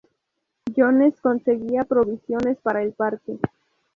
Jones conseguía provisiones para el parque.